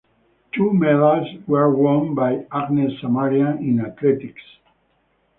Two medals were won by Agnes Samaria in athletics.